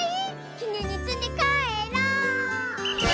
きねんにつんでかえろう！